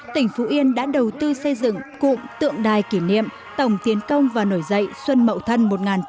tỉnh phú yên đã đầu tư xây dựng cụm tượng đài kỷ niệm tổng tiến công và nổi dạy xuân mậu thân một nghìn chín trăm sáu mươi tám